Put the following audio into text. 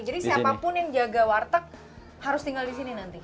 jadi siapapun yang jaga warteg harus tinggal di sini nanti